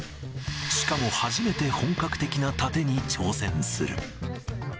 しかも初めて本格的なタテに挑戦する。